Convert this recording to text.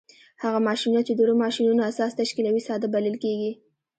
هغه ماشینونه چې د نورو ماشینونو اساس تشکیلوي ساده بلل کیږي.